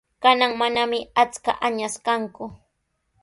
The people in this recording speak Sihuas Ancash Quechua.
Kanan mananami achka añas kanku.